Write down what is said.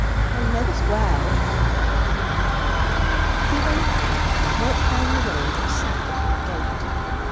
"I mid as well." He went out, walked down the road, and sat upon a gate.